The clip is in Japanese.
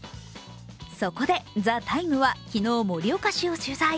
そこで「ＴＨＥＴＩＭＥ，」は昨日盛岡市を取材。